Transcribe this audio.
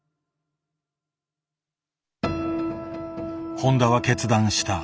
誉田は決断した。